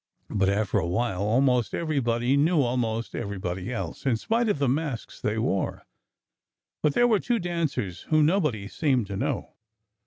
But after a while almost everybody knew almost everybody else in spite of the masks they wore. But there were two dancers whom nobody seemed to know.